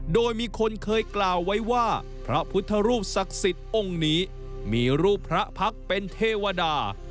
โดยมีคนเคยกล่าวไว้ว่าพระพุทธรูปศักดิ์สิทธิ์องค์นี้มีรูปพระพักษ์เป็นเทวดา